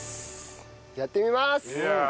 やってみます！